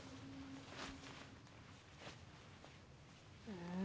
うん？